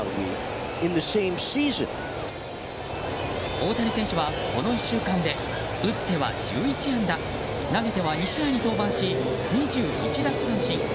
大谷選手は、この１週間で打っては１１安打投げては２試合に登板し２１奪三振。